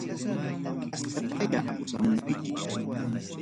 Askatayá pusamunkichis.